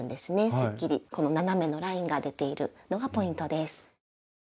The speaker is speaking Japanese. すっきりこの斜めのラインが出ているのがポイントです。